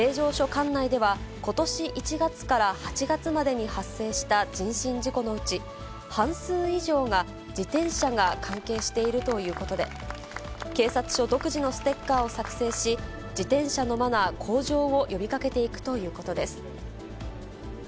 管内ではことし１月から８月までに発生した人身事故のうち、半数以上が自転車が関係しているということで、警察署独自のステッカーを作成し、自転車のマナー向上を呼びかけていくということです。